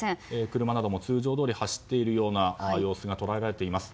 車なども通常どおり走っている様子が捉えられています。